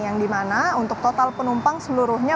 yang dimana untuk total penumpang seluruhnya